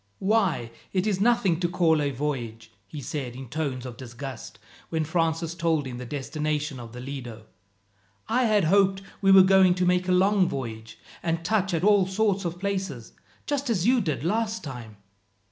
"Why, it is nothing to call a voyage," he said in tones of disgust, when Francis told him the destination of the Lido. "I had hoped we were going to make a long voyage, and touch at all sorts of places, just as you did last time."